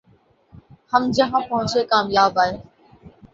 ہم جہاں پہنچے کامیاب آئے